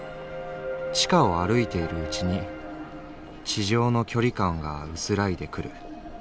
地下を歩いているうちに地上の距離感が薄らいでくる。